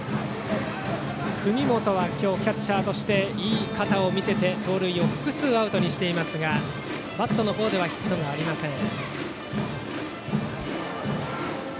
文元は今日キャッチャーとしていい肩を見せて盗塁を複数アウトにしていますがバットの方ではヒットがありません。